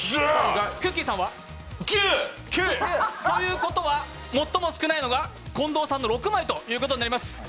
９。ということは最も少ないのが近藤さんの６枚ということになります。